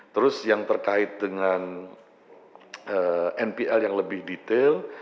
terus yang terkait dengan npl yang lebih detail